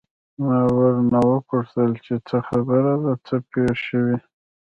ما ورنه وپوښتل چې څه خبره ده، څه پېښ شوي؟